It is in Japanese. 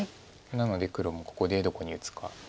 なので黒もここでどこに打つか。